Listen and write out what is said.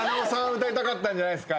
歌いたかったんじゃないですか？